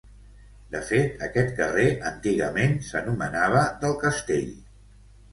De fet aquest carrer antigament s'anomenava del castell.